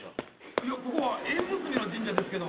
いやここは縁結びの神社ですけど。